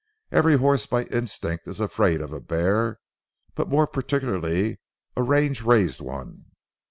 Every horse by instinct is afraid of a bear, but more particularly a range raised one.